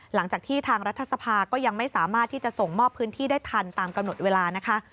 หลังจากที่ทางรัฐสภาก็ยังไม่สามารถที่จะส่งมอบพื้นที่ได้ทันตามกำหนดเวลานะคะ